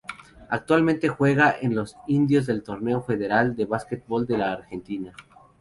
Actualmente juega en el Los Indios del Torneo Federal de Básquetbol de la Argentina.